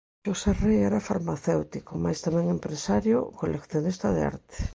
Xosé Rei era farmacéutico, mais tamén empresario e coleccionista de arte.